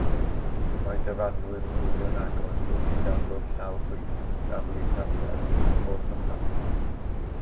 Mae dyfarnwr yn gwylio'n agos wrth i daflwr llaw chwith daflu tafliad o'r twmpath.